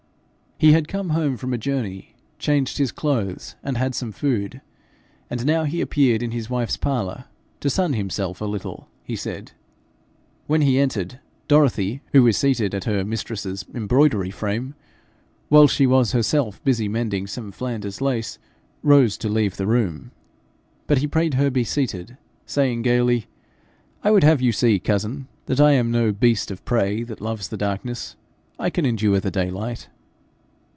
He had come home from a journey, changed his clothes, and had some food; and now he appeared in his wife's parlour to sun himself a little, he said. When he entered, Dorothy, who was seated at her mistress's embroidery frame, while she was herself busy mending some Flanders lace, rose to leave the room. But he prayed her to be seated, saying gayly, 'I would have you see, cousin, that I am no beast of prey that loves the darkness. I can endure the daylight.